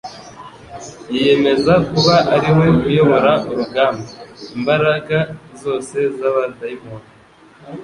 Yiyemeza kuba ariwe uyobora urugamba. Imbaraga zose z'abadayimoni